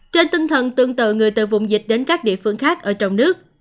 trên tinh thần tương tự người từ vùng dịch đến các địa phương khác ở trong nước